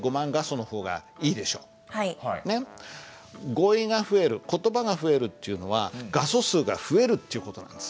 語彙が増える言葉が増えるっていうのは画素数が増えるっていう事なんです。